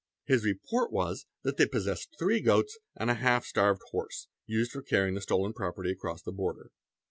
His report was that they possessed three goats and a half starved horse, used for carrying the — stolen property across the border.